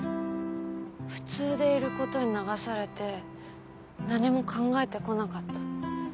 普通でいる事に流されて何も考えてこなかった。